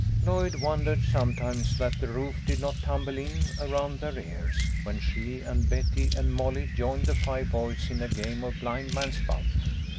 Lloyd wondered sometimes that the roof did not tumble in around their ears when she and Betty and Molly joined the five boys in a game of blind man's buff.